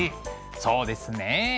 そうですね。